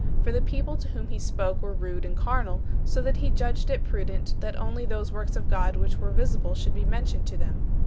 For the people to whom he spoke were rude and carnal, so that he judged it prudent that only those works of God which were visible should be mentioned to them."